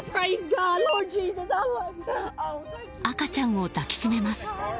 赤ちゃんを抱きしめます。